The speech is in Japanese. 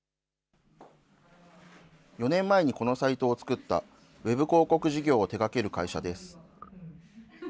４年前にこのサイトを作った、ウェブ広告事業を手がける会社です。